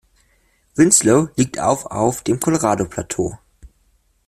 Winslow liegt auf auf dem Colorado-Plateau.